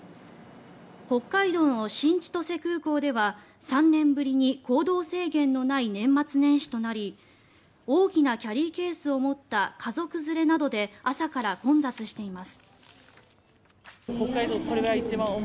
北海道の新千歳空港では３年ぶりに行動制限のない年末年始となり大きなキャリーケースを持った家族連れなどで朝から混雑しています。